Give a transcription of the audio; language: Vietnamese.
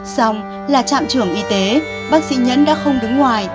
xong là trạm trưởng y tế bác sĩ nhẫn đã không đứng ngoài